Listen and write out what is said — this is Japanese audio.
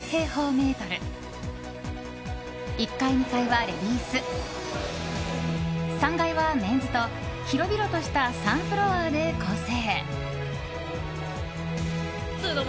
売り場面積はおよそ１３００平方メートル１階、２階はレディース３階はメンズと広々とした３フロアで構成。